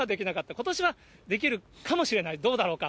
ことしはできるかもしれない、どうだろうか？